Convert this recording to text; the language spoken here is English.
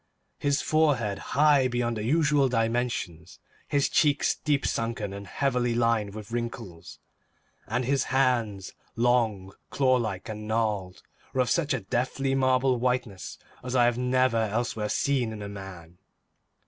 His forehead, high beyond the usual dimensions; his cheeks, deep sunken and heavily lined with wrinkles; and his hands, long, claw like and gnarled, were of such a deathly, marble like whiteness as I have never elsewhere seen in man.